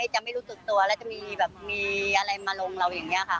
จะตัดตัวแล้วจะมีเหมือนมาลงเราอย่างนี้ค่ะ